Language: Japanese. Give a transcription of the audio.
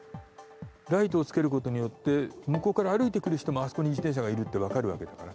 ライトをつけることによって向こうから歩いてくる人もあそこに自転車がいるって分かるわけだから。